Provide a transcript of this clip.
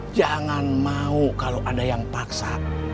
jangan mau kalau ada yang paksa